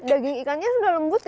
daging ikannya sudah lembut ya